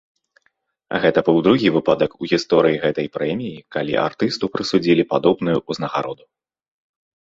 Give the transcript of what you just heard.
Гэта быў другі выпадак у гісторыі гэтай прэміі, калі артысту прысудзілі падобную ўзнагароду.